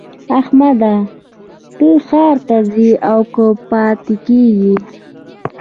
احمده! ته ښار ته ځې او که پاته کېږې؟